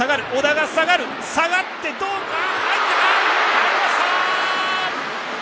入りました！